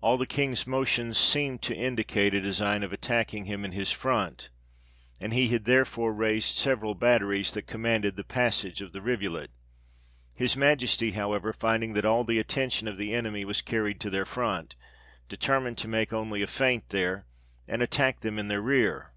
All the King's motions seemed to indicate a design of attacking him in his front, and he had therefore raised several batteries that commanded the passage of the rivulet : his Majesty, however, finding that all the attention of the enemy was carried to their front, determined to make only a feint there, and attack them in their rear.